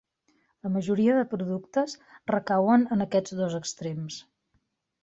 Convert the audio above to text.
La majoria de productes recauen en aquests dos extrems.